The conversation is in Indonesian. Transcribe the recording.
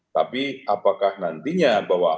tapi apakah nantinya bahwa